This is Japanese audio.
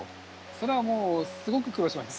それはもうすごく苦労した？